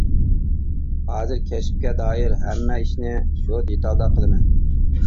ھازىر كەسىپكە دائىر ھەممە ئىشنى شۇ دېتالدا قىلىمەن.